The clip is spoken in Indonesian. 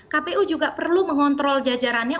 kpu juga perlu mengontrol jajarannya